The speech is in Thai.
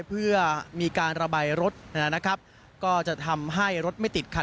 เพื่อมีการระบายรถก็จะทำให้รถไม่ติดขัด